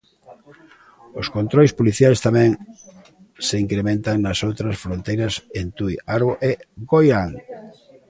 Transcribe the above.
Os controis policiais tamén se incrementan nas outras fronteiras en Tui, Arbo e Goián.